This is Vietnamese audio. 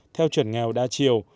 theo chuẩn nghèo đa chiều